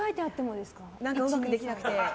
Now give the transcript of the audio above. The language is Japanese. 何かうまくできなくて。